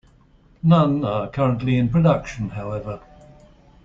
None are currently in production however.